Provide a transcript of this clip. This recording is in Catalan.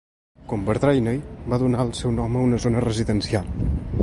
Com Bardrainney, va donar el seu nom a una zona residencial.